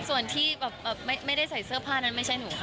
ส่วนที่แบบไม่ได้ใส่เสื้อผ้านั้นไม่ใช่หนูค่ะ